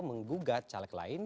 menggugat caleg lain